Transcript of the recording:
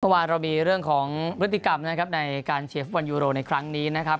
เมื่อวานเรามีเรื่องของพฤติกรรมนะครับในการเชียร์ฟุตบอลยูโรในครั้งนี้นะครับ